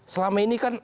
selama ini kan